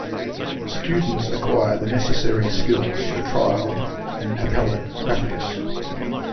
Students acquire the necessary skills for trial and appellate practice.